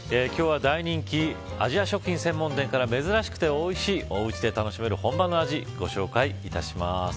今日は大人気アジア食品専門店から珍しくて、おいしいおうちで楽しめる本場の味をご紹介いたします。